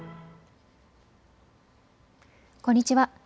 こんにちは。